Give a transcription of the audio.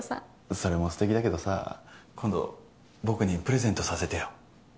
それもすてきだけどさ今度僕にプレゼントさせてよ。